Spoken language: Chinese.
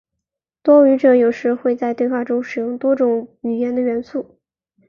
多语者有时会在对话中使用多种语言的元素。